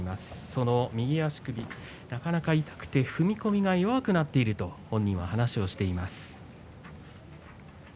その右足首、なかなか痛くて踏み込みが弱くなっていると本人は話しています。